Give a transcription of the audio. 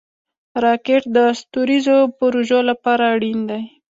راکټ د ستوریزو پروژو لپاره اړین دی